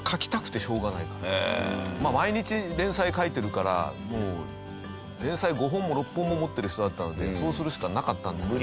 毎日連載書いてるから連載５本も６本も持ってる人だったのでそうするしかなかったんだけど。